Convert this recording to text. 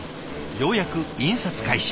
ようやく印刷開始。